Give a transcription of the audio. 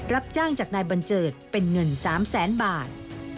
รับจ้างจากนายบัญเจิดเป็นเงิน๓แสนบาท